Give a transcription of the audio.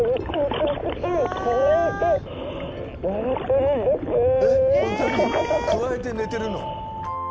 くわえて寝てるの？